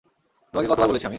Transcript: তোমাকে কতবার বলেছি আমি?